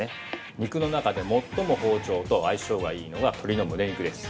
肉の中で、最も包丁と相性がいいのが鶏のむね肉です。